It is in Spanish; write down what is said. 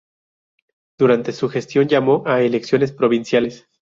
Durante su gestión llamó a elecciones provinciales.